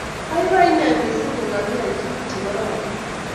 Baibai inee mising ngokakiyei tuguk chekororon